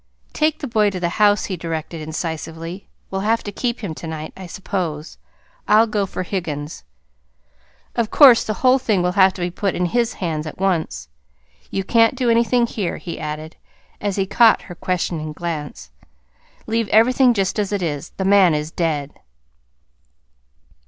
"Take the boy to the house," he directed incisively. "We'll have to keep him to night, I suppose. I'll go for Higgins. Of course the whole thing will have to be put in his hands at once. You can't do anything here," he added, as he caught her questioning glance. "Leave everything just as it is. The man is dead."